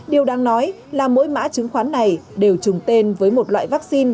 điều đáng nói là mỗi mã chứng khoán này đều trùng tên với một loại vaccine